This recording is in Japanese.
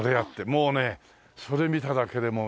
もうねそれ見ただけでもう夢の時代。